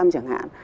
hai mươi chẳng hạn